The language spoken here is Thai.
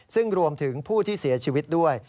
ซึ่งรวมถึงผู้ที่เสียชีวิตด้วย